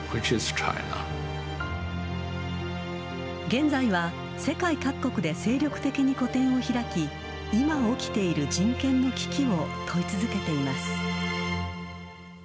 現在は、世界各国で精力的に個展を開き、今起きている人権の危機を問い続けています。